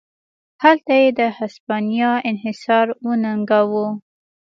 هلته یې د هسپانیا انحصار وننګاوه.